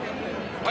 はい！